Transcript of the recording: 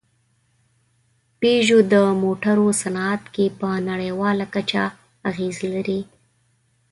پيژو د موټرو صنعت کې په نړۍواله کچه اغېز لري.